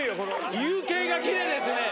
夕景がきれいですね。